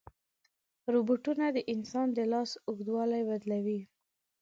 روبوټونه د انسان د لاس اوږدوالی بدلوي.